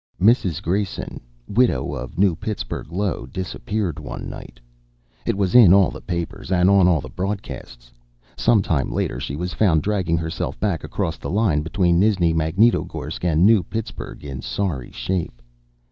Mrs. Grayson, widow, of New Pittsburgh, Io, disappeared one night. It was in all the papers and on all the broadcasts. Some time later she was found dragging herself back across the line between Nizhni Magnitogorsk and New Pittsburgh in sorry shape.